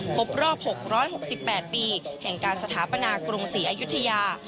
ครบรอบหกร้อยหกสิบแปดปีแห่งการสถาปนากรุงศรีอยุธยา